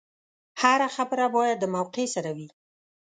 هره خبره باید د موقع سره وي.